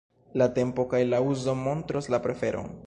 La tempo kaj la uzo montros la preferon.